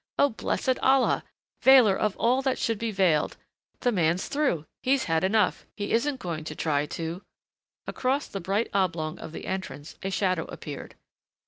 Oh, blessed Allah, Veiler of all that should be veiled! The man's through. He's had enough. He isn't going to try to " Across the bright oblong of the entrance a shadow appeared.